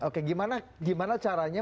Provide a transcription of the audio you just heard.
oke gimana caranya